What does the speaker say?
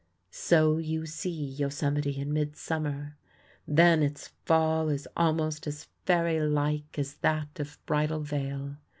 So you see Yosemite in midsummer. Then its fall is almost as fairy like as that of Bridal Veil.